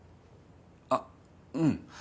あっうん。